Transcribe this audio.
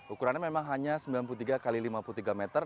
ukurannya memang hanya sembilan puluh tiga x lima puluh tiga meter